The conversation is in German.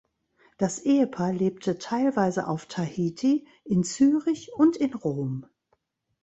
Das Ehepaar lebte teilweise auf Tahiti, in Zürich und in Rom.